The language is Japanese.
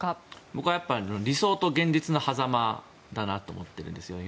僕は理想と現実のはざまだなと思っているんですよね。